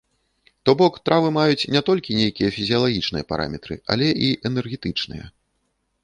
То бок, травы маюць не толькі нейкія фізіялагічныя параметры, але і энергетычныя.